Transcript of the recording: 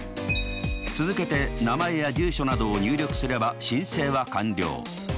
続けて名前や住所などを入力すれば申請は完了。